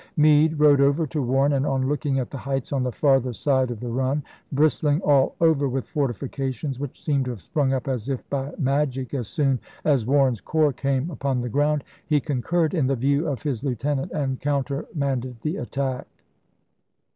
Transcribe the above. Meade rode over to Warren, and on looking at the heights on the farther side of the run, bristling all over with fortifications, which seemed to have sprung up as if by magic as soon as Warren's corps came upon the ground, he con ibid.,p.346. curred in the view of his lieutenant, and counter manded the attack.